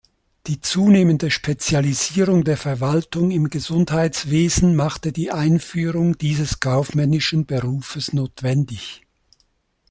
Die zunehmende Spezialisierung der Verwaltung im Gesundheitswesen machte die Einführung dieses kaufmännischen Berufes notwendig.